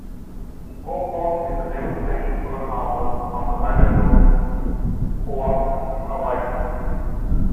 Homeport is the Naval Station Pearl Harbor on the island of Oahu, Hawaii.